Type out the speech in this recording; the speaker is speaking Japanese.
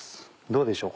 どうでしょう？